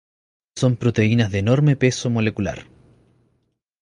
Son proteínas de enorme peso molecular.